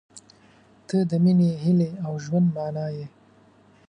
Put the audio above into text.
• ته د مینې، هیلې، او ژوند معنی یې.